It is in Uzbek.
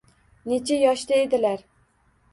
Necha yoshda edilar?